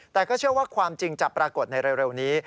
แต่ก็เชื่อว่าความจริงจะปรากฏในเร็วนี้